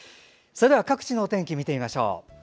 各地のお天気見てみましょう。